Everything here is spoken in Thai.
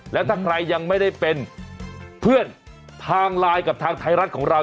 แล้วถ้าใครยังไม่ได้เป็นเพื่อนทางไลน์กับทางไทยรัฐของเรา